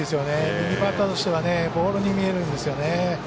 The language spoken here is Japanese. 右バッターとしてはボールに見えるんですよね。